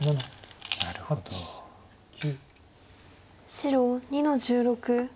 白２の十六。